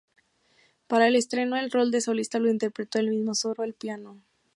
Para el estreno el rol de solista lo interpretó el mismo Soro al piano.